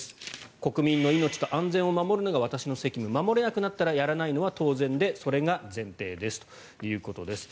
国民の命と安全を守るのが私の責務守れなくなったらやらないのは当然でそれが前提ですということです。